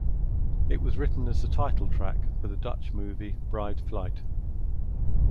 It was written as the title track for the Dutch movie Bride Flight.